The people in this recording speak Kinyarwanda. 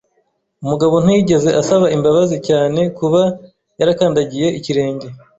Umugabo ntiyigeze asaba imbabazi cyane kuba yarakandagiye ikirenge.